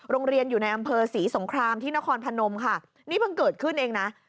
โรงเรียนอยู่ในอำเภอศรีสงครามที่นครพนมค่ะนี่เพิ่งเกิดขึ้นเองนะ